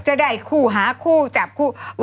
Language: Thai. จะได้คู่หาคู่จับคู่